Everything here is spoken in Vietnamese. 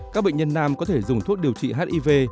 các bệnh nhân nam có thể dùng thuốc điều trị hiv